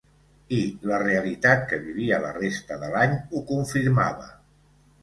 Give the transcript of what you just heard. I la realitat que vivia la resta de l’any ho confirmava.